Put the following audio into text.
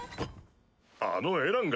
あのエランが？